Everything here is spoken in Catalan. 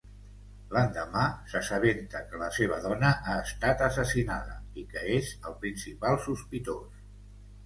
L'endemà, s'assabenta que la seva dona ha estat assassinada i que és el principal sospitós.